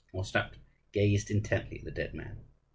Ostap gazed intently at the dead man.